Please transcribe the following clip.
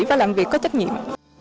và làm việc có trách nhiệm